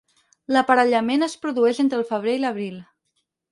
L'aparellament es produeix entre el febrer i l'abril.